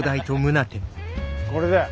これだよ。